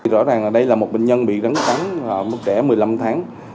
rõ ràng đây là một bệnh nhân bị rắn cắn mức trẻ một mươi năm tháng